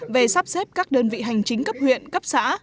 về sắp xếp các đơn vị hành chính cấp huyện cấp xã